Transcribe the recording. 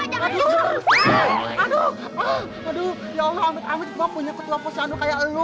ya allah imprisoned novel jago toko sayang lu ah